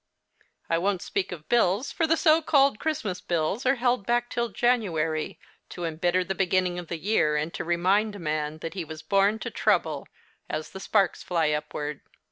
I won't speak of bills, for the so called Christmas bills are held back till January, to embitter the beginning of the year, and to remind a man that he ^^'as born to trouble, as the sparks fly upward.